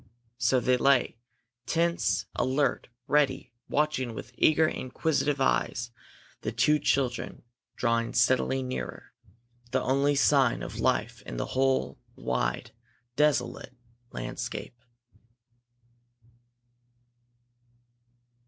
So they lay, tense, alert, ready, watching with eager, inquisitive eyes the two children drawing steadily nearer, the only sign of life in the whole wide, desolate landscape.